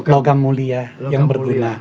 logam mulia yang berguna